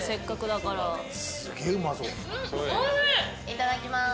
いただきます。